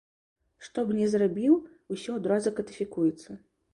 Што б ні зрабіў, усё адразу кадыфікуецца.